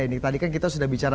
ini tadi kan kita sudah bicara